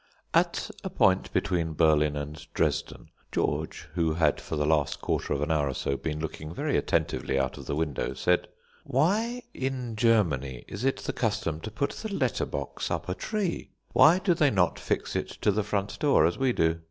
At a point between Berlin and Dresden, George, who had, for the last quarter of an hour or so, been looking very attentively out of the window, said: "Why, in Germany, is it the custom to put the letter box up a tree? Why do they not fix it to the front door as we do?